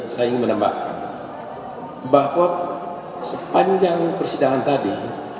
saya ingin menambahkan bahwa sepanjang persidangan tadi